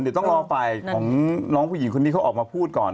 เดี๋ยวต้องรอฝ่ายของน้องผู้หญิงคนนี้เขาออกมาพูดก่อน